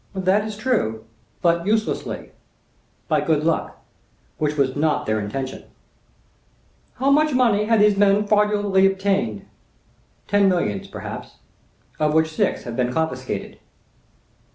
"That is true;—but uselessly, by good luck,—which was not their intention." "How much money had these men fraudulently obtained?" "Ten millions, perhaps; of which six have been confiscated."